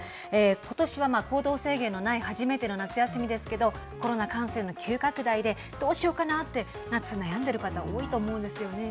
ことしは行動制限のない初めての夏休みですけど、コロナ感染の急拡大で、どうしようかなって、夏、悩んでる方、多いと思うんですよね。